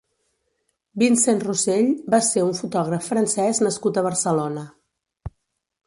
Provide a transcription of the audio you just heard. Vincent Rossell va ser un fotògraf francès nascut a Barcelona.